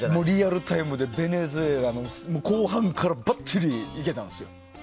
リアルタイムでベネズエラも後半からばっちりいけたんですよ。